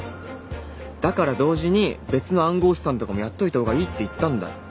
だから同時に別の暗号資産とかもやっといたほうがいいって言ったんだよ。